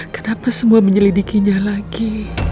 kenapa semua menyelidikinya lagi